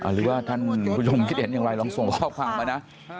หรือว่าท่านผู้ชมคิดเห็นอย่างไรลองส่งข้อความมานะ